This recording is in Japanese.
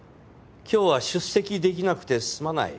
今日は出席できなくてすまない。